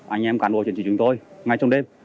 anh em cán bộ chiến sĩ chúng tôi ngay trong đêm